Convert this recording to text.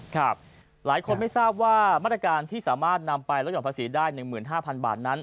หลายคนไม่ทราบว่ามาตรการที่สามารถนำไปลดห่อนภาษีได้๑๕๐๐บาทนั้น